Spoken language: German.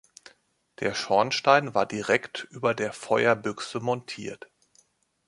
Der Schornstein war direkt über der Feuerbüchse montiert.